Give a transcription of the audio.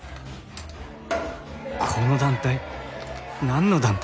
この団体何の団体？